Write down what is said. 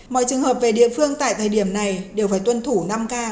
mọi trường hợp về địa phương tại thời điểm này đều phải tuân thủ năm k